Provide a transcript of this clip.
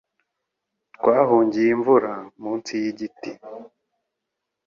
Twahungiye imvura munsi yigiti.